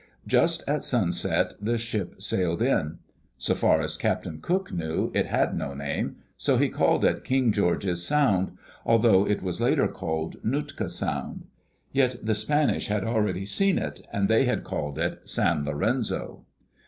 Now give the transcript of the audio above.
Just at sunset the ship sailed in. So far as Captain Cook knew, it had no name, so he called it King George's Sound, although it was later called Nootka Sound. Yet the Spanish had already seen it and they had called it San Lorenzo.